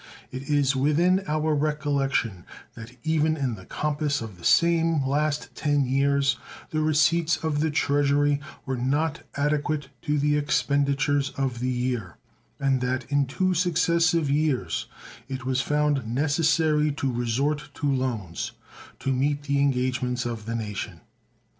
It is within our recollection that even in the compass of the same last ten years the receipts of the Treasury were not adequate to the expenditures of the year, and that in two successive years it was found necessary to resort to loans to meet the engagements of the nation.